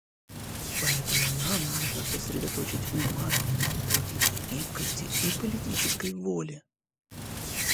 Поэтому нам нужно сосредоточить внимание на подлинной гибкости и политической воле.